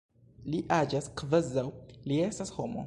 Li agas kvazaŭ li estas homo.